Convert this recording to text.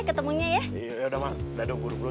ketemunya ya yaudah mak dado buru buru